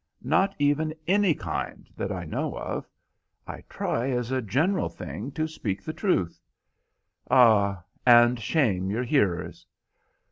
"Not even any kind, that I know of. I try as a general thing to speak the truth." "Ah, and shame your hearers?"